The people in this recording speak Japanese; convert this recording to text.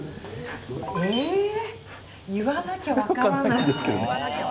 言わなきゃ分からない。